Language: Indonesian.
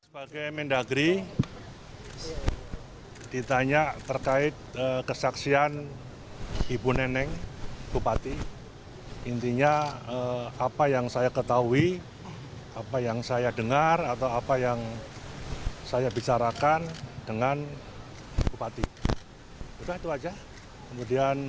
pernah ketemu nggak pernah ketemu